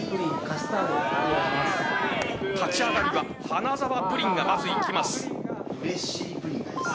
立ち上がりは花澤プリンがまず行きます。